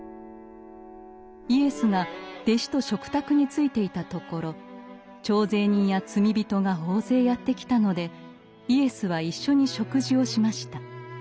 イエスが弟子と食卓についていたところ徴税人や罪人が大勢やって来たのでイエスは一緒に食事をしました。